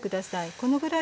このぐらいです。